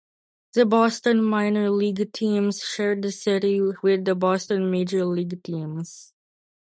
The Boston minor league teams shared the city with the Boston major league teams.